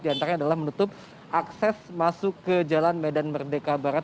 di antaranya adalah menutup akses masuk ke jalan medan merdeka barat